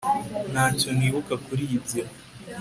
Ntacyo nibuka kuri ibyo